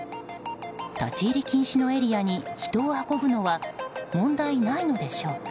立ち入り禁止のエリアに人を運ぶのは問題ないのでしょうか。